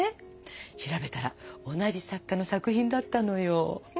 調べたら同じ作家の作品だったのよ。